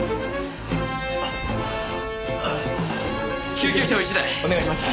救急車を１台お願いします。